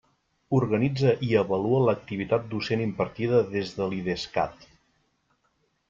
Organitza i avalua l'activitat docent impartida des de l'Idescat.